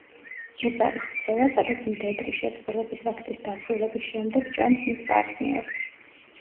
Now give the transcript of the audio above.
ეს არის ქცევა, სადაც მდედრი შეწყვილების აქტის დასრულების შემდეგ ჭამს მის პარტნიორს.